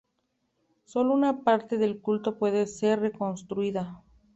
Solo una parte del culto puede ser reconstruida.